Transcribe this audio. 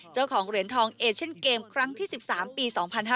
เจ้าของเหรียญทองเอเชนเกมครั้งที่๑๓ปี๒๕๕๙